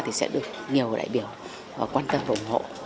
thì sẽ được nhiều đại biểu quan tâm và ủng hộ